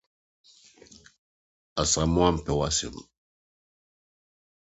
Asamoa mpɛ w'asɛm